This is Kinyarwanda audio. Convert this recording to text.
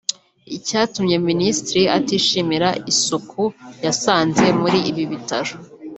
Icyatumye Minisitiri atishimira isuku yasanze muri ibi bitaro